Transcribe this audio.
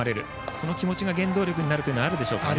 その気持ちが原動力になるというのがありますね。